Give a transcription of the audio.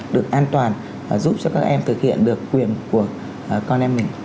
được an toàn giúp cho các em thực hiện được quyền của con em mình